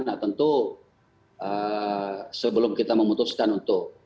nah tentu sebelum kita memutuskan untuk